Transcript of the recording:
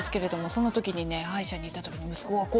「その時にね歯医者に行った時に息子がこうこうこうで」